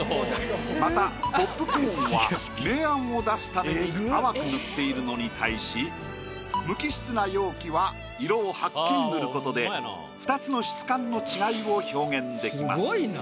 またポップコーンは明暗を出すために淡く塗っているのに対し無機質な容器は色をはっきり塗ることで２つの質感の違いを表現出来ます。